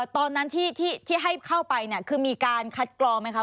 ตอนนั้นที่ให้เข้าไปคือมีการคัดกรองไหมคะ